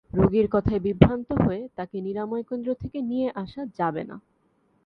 রোগীর কথায় বিভ্রান্ত হয়ে তাকে নিরাময় কেন্দ্র থেকে নিয়ে আসা যাবে না।